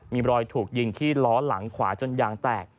มีรอยถูกยิงที่ล้อหลังขวาจนยางแตก